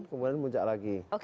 kemudian memuncak lagi